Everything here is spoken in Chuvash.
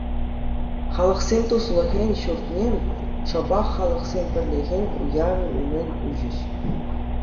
Халӑхсен туслӑхӗн ҫуртне шӑпах Халӑхсен пӗрлӗхӗн уявӗ умӗн уҫӗҫ.